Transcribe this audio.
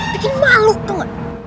bikin malu tuh